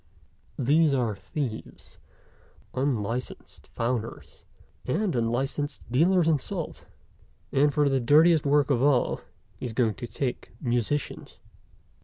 These are thieves, unlicensed founders, and unlicensed dealers in salt, and, for the dirtiest work of all, he is going to take musicians."